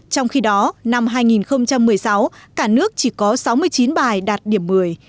trong khi đó năm hai nghìn một mươi sáu cả nước chỉ có sáu mươi chín bài đạt điểm một mươi